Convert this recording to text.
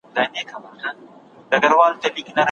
هغه پانګه چې په بازار کي ګرځي دوراني پانګه نوميږي.